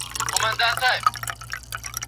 له ناکامه د خپل کور پر لور روان سو